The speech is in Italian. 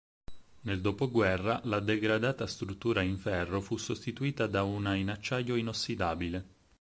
Nel dopoguerra la degradata struttura in ferro fu sostituita da una in acciaio inossidabile.